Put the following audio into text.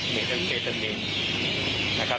ในเกตอำนาจศาลนะครับ